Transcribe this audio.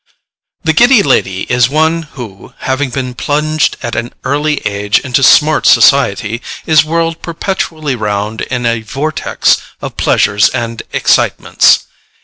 The Giddy Lady is one who, having been plunged at an early age into smart society, is whirled perpetually round in a vortex of pleasures and excitements.